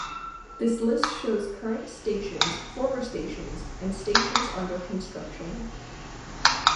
This list shows current stations, former stations and stations under construction.